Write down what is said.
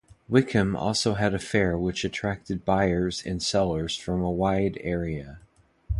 Wickham also had a fair which attracted buyers and sellers from a wide area.